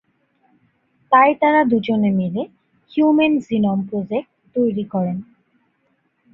তাই তারা দুজনে মিলে 'হিউম্যান জিনোম প্রজেক্ট' তৈরি করেন।